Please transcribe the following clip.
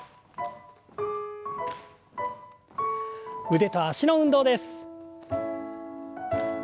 腕と脚の運動です。